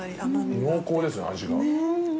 濃厚ですね味が。